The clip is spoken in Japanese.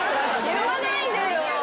言わないでよ。